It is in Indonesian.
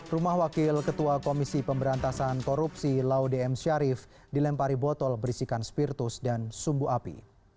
rumah wakil ketua komisi pemberantasan korupsi laude m syarif dilempari botol berisikan spirtus dan sumbu api